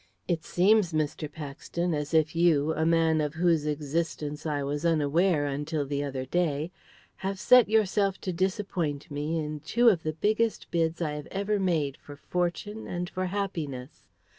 "It seems, Mr. Paxton, as if you, a man of whose existence I was unaware until the other day, have set yourself to disappoint me in two of the biggest bids I have ever made for fortune and for happiness.